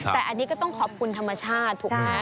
แต่อันนี้ก็ต้องขอบคุณธรรมชาติถูกไหม